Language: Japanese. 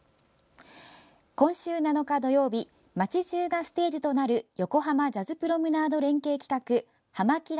今週７日土曜日街中がステージとなる横濱ジャズプロムナード連携企画「はま☆キラ！」